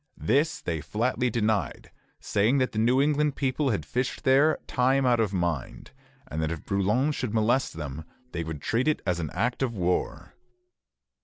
This they flatly denied, saying that the New England people had fished there time out of mind, and that if Brouillan should molest them, they would treat it as an act of war.